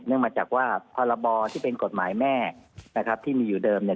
เนื่องมาจากว่าพลที่เป็นกฎหมายแม่ที่มีอยู่เดิมเนี่ย